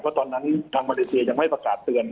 เพราะตอนนั้นทางมาเลเซียยังไม่ประกาศเตือน